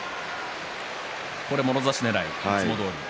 もろ差しねらいですねいつもどおり。